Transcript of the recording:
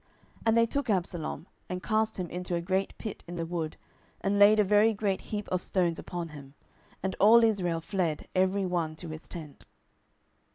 10:018:017 And they took Absalom, and cast him into a great pit in the wood, and laid a very great heap of stones upon him: and all Israel fled every one to his tent.